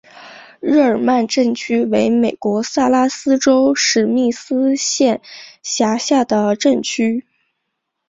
日耳曼镇区为美国堪萨斯州史密斯县辖下的镇区。